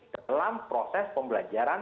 dalam proses pembelajaran